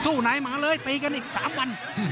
สู้ไหนมันเลยก็อีกกันอีกสามวัน